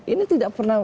ini tidak pernah